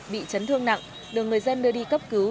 bị chấn thương nặng được người dân đưa đi cấp cứu